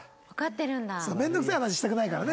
面倒くさい話したくないからね。